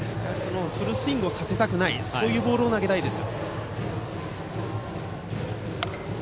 フルスイングをさせたくないそういうボールを投げたいです。